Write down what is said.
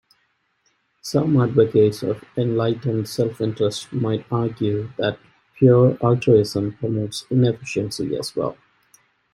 Some advocates of enlightened self-interest might argue that pure altruism promotes inefficiency as well.